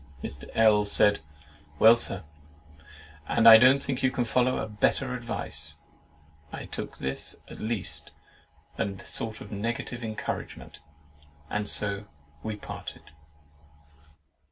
Mr. L. said, "Well, Sir, and I don't think you can follow a better advice!" I took this as at least a sort of negative encouragement, and so we parted.